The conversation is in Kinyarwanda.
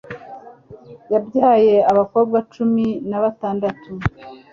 yabyaye abakobwa cumi na batandatu